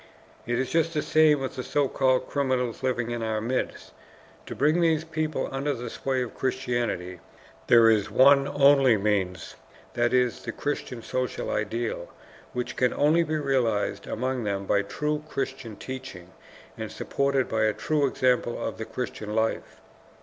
It is just the same with the so called criminals living in our midst. To bring these people under the sway of Christianity there is one only means, that is, the Christian social ideal, which can only be realized among them by true Christian teaching and supported by a true example of the Christian life.